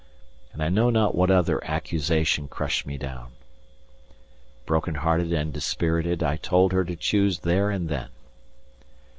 And I know not what other accusation crushed me down. Broken hearted and dispirited, I told her to choose there and then.